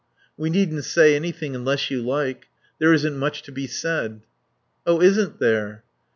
"We needn't say anything unless you like. There isn't much to be said." "Oh, isn't there!"